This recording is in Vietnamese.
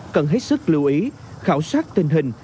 cần hết sức lưu ý khảo sát tình hình